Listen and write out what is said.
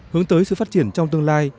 hướng tới sự phát triển trong tương lai